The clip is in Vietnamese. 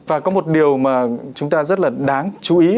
và có một điều mà chúng ta rất là đáng chú ý